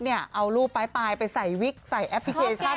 เอารูปปลายไปใส่วิกใส่แอปพลิเคชัน